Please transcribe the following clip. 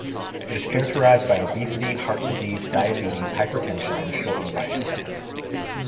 It is characterized by obesity, heart disease, diabetes, hypertension, and shortened life span.